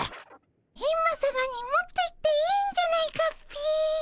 エンマさまに持っていっていいんじゃないかっピ。